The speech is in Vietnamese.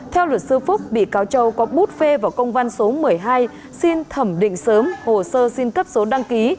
theo luật sư phúc bị cáo châu có bút phê vào công văn số một mươi hai xin thẩm định sớm hồ sơ xin cấp số đăng ký